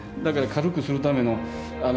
だから軽くするための